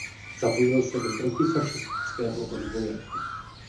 Zapojil se do protifašistického odboje.